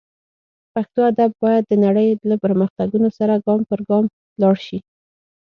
پښتو ادب باید د نړۍ له پرمختګونو سره ګام پر ګام لاړ شي